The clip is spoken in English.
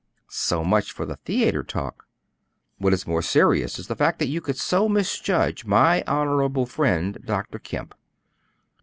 So much for the theatre talk. What is more serious is the fact that you could so misjudge my honorable friend, Dr. Kemp.